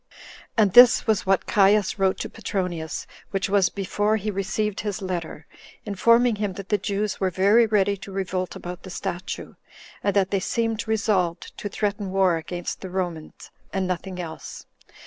And this was what Caius wrote to Petronius, which was before he received his letter, informing him that the Jews were very ready to revolt about the statue, and that they seemed resolved to threaten war against the Romans, and nothing else.